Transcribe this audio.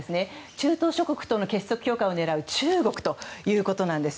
中東諸国との結束強化を狙う中国ということです。